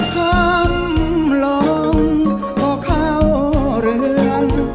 คำลงพอเข้าเรือน